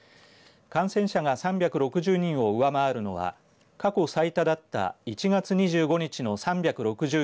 感染者が３６０人を上回るのは過去最多だった１月２５日の３６７人